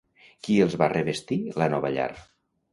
Qui els va revestir la nova llar?